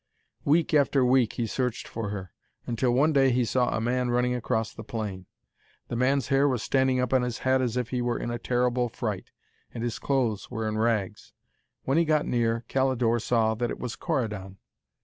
Week after week he searched for her, until one day he saw a man running across the plain. The man's hair was standing up on his head as if he were in a terrible fright, and his clothes were in rags. When he got near, Calidore saw that it was Corydon.